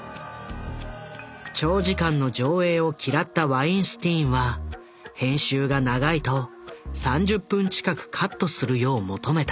長時間の上映を嫌ったワインスティーンは編集が長いと３０分近くカットするよう求めた。